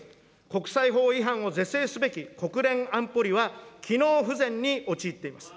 国際法違反を是正すべき国連安保理は、機能不全に陥っています。